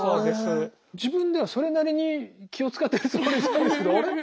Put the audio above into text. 自分ではそれなりに気を遣ってるつもりなんですけどあれ？